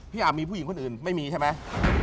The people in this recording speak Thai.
อาบมีผู้หญิงคนอื่นไม่มีใช่ไหม